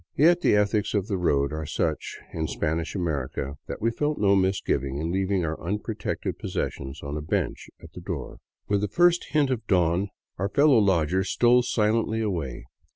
Yet the ethics of the road are such in Spanish America that we felt no misgiving in leaving our unprotected possessions on a bencb at the door. With the first hint of dawn our fellow lodgers stole silently away.